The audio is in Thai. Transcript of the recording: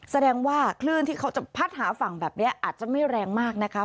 แสดงว่าคลื่นที่เขาจะพัดหาฝั่งแบบนี้อาจจะไม่แรงมากนะคะ